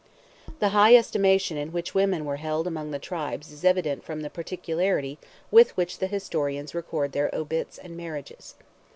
The high estimation in which women were held among the tribes is evident from the particularity with which the historians record their obits and marriages.